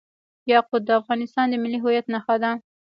یاقوت د افغانستان د ملي هویت نښه ده.